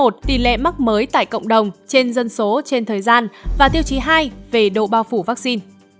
tỷ lệ mắc mới tại cộng đồng trên dân số trên thời gian và tiêu chí hai về độ bao phủ vaccine